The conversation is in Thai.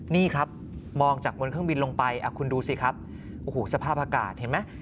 นี่ครับมองจากบนเครื่องบินลงไปคุณดูสิครับโอ้โหสภาพอากาศเห็นไหม